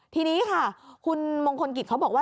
ทีนี้ค่ะคุณมงคลกิจเขาบอกว่า